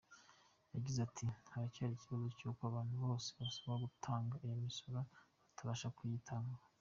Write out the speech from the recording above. Yagize ati “Haracyari ikibazo cy’uko abantu bose basabwa gutanga iyo misoro batabasha kuyitanga.